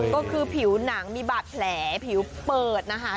ก็คือผิวหนังมีบาดแผลผิวเปิดนะคะ